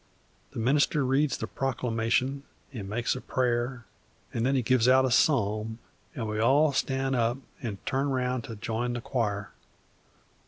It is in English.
The minister reads the proclamation an' makes a prayer, an' then he gives out a psalm, an' we all stan' up an' turn round an' join the choir.